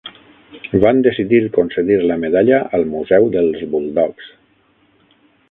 Van decidir concedir la medalla al museu dels Bulldogs.